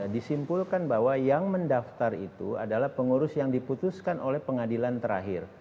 disimpulkan bahwa yang mendaftar itu adalah pengurus yang diputuskan oleh pengadilan terakhir